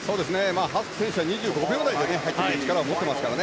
ハスク選手は２５秒台で入ってくる力を持っていますからね。